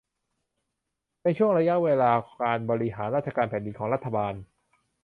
ในช่วงระยะเวลาการบริหารราชการแผ่นดินของรัฐบาล